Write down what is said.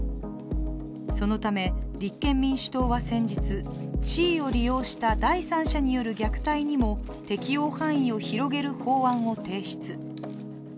そのため、立憲民主党は先日、地位を利用した第三者による虐待にも適用範囲を広げる法案を提出。